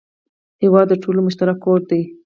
هېواد د ټولو مشترک کور دی.